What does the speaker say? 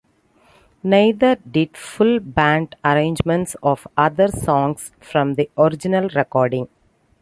Neither did full-band arrangements of other songs from the original recording.